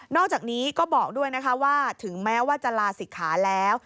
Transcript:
อกจากนี้ก็บอกด้วยนะคะว่าถึงแม้ว่าจะลาศิกขาแล้ว